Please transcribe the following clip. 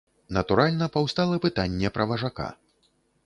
Натуральна, паўстала пытанне пра важака.